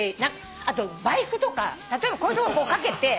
あとバイクとか例えばこういうとこに掛けて。